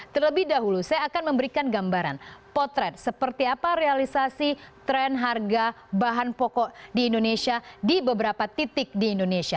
terlebih dahulu saya akan memberikan gambaran potret seperti apa realisasi tren harga bahan pokok di indonesia di beberapa titik di indonesia